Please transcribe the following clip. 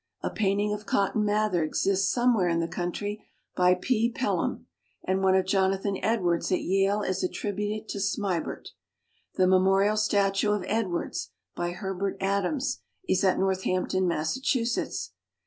A painting of Cotton Mather exists somewhere in the country by P. Pel ham, and one of Jonathan Edwards at Yale is attributed to Smibert. The memorial statue of Edwards, by Her bert Adams, is at Northampton, Mas sachusetts.